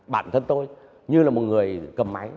bản thân tôi như là một người cầm máy